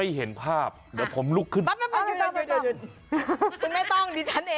ชั้นเอง